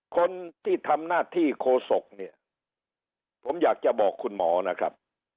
คนที่ทำหน้าที่โคศกเนี่ยผมอยากจะบอกคุณหมอนะครับ